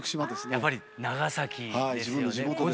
やっぱり長崎ですよね。